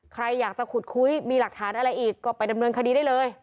ใครอยากจะขุดคุยมีหลักฐานอะไรอีกก็ไปดำเนินคดีได้เลย